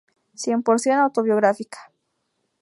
Cien por cien autobiográfica.